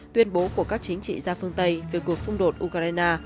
tuyên bố của các chính trị gia phương tây về cuộc xung đột ukraine